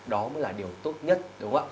đó mới là điều tốt nhất